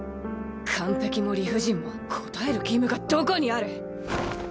完璧も理不尽も応える義務がどこにある。